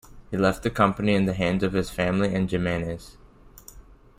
He left the company in the hands of his family and Jimenez.